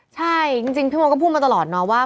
ใช่จริงพี่มดก็พูดมาตลอดเนาะว่า